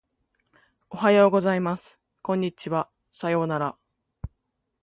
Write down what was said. おはようございます。こんにちは。さようなら。